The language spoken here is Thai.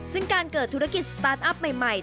ซึ่งการเกิดธุรกิจสตาร์ทอัพใหม่